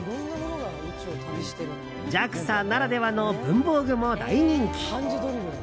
ＪＡＸＡならではの文房具も大人気。